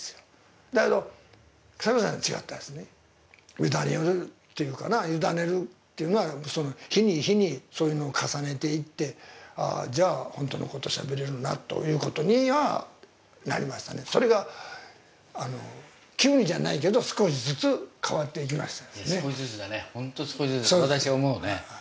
委ねるというのかな、委ねるというのは日に日にそういうのを重ねていって、本当のことをしゃべれるなというふうにはなりましたね、それが急にじゃないけど少しずつ変わっていきました。